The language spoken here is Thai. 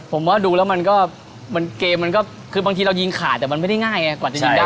ผมว่าดูแล้วมันก็เกมมันก็คือบางทีเรายิงขาดแต่มันไม่ได้ง่ายไงกว่าจะยิงได้